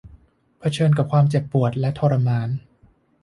เผชิญกับความเจ็บปวดและทรมาน